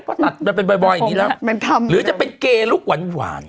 ก็ตัดมันเป็นบอยบอยอย่างงี้แล้วมันทำหรือจะเป็นเกย์ลูกหวานหวาน